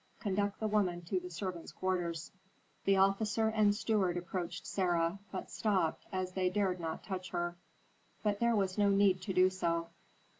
Conduct the woman to the servants' quarters." The officer and steward approached Sarah, but stopped, as they dared not touch her; but there was no need to do so.